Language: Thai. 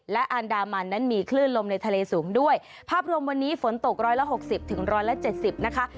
และอันดามันนั้นมีคลื่นลมในทะเลสูงด้วยภาพรวมวันนี้ฝนตกร้อยละหกสิบถึงร้อยละเจ็ดสิบนะคะ